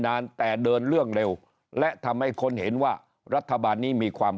นานแต่เดินเรื่องเร็วและทำให้คนเห็นว่ารัฐบาลนี้มีความ